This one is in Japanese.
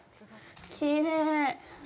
きれい。